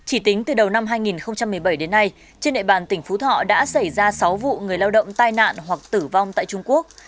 chỉ tính từ đầu năm hai nghìn một mươi bảy đến nay trên địa bàn tỉnh phú thọ đã xảy ra sáu vụ người lao động tai nạn hoặc tử vong tại trung quốc